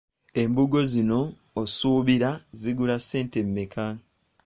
Embugo zino osuubira zigula ssente mmeka?